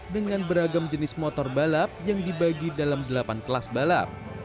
dengan beragam jenis motor balap yang dibagi dalam delapan kelas balap